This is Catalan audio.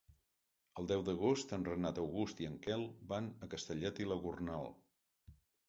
El deu d'agost en Renat August i en Quel van a Castellet i la Gornal.